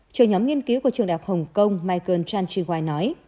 trường nhóm nghiên cứu của trường đại học hồng kông michael chan chi ngoai nói